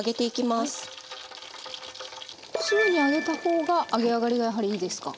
すぐに揚げた方が揚げ上がりがやはりいいですか？